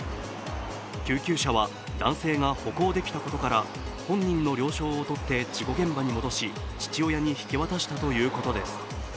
救急車は男性が歩行できたことから本人の了承をとって事故現場に戻し、父親に引き渡したということです。